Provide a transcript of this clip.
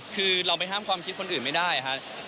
คือเราไปห้ามความคิดคนอื่นไม่ได้ครับ